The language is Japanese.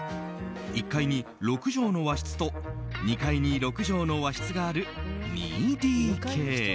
１階に６畳の和室と２階に６畳の和室がある２ＤＫ。